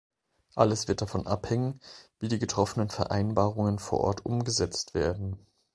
Alles wird davon abhängen, wie die getroffenen Vereinbarungen vor Ort umgesetzt werden.